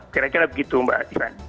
kira kira begitu mbak tiffany